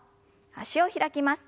脚を開きます。